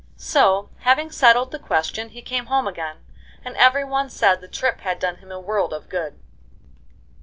So, having settled the question, he came home again, and every one said the trip had done him a world of good.